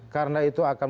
karena itu akan